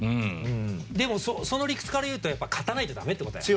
でもその理屈から言うと勝たないとだめってことだよね。